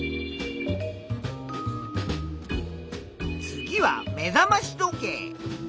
次は目覚まし時計。